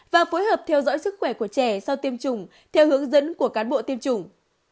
và phối hợp theo dõi sức khỏe của trẻ sau tiêm chủng theo hướng dẫn của cán bộ tiêm chủng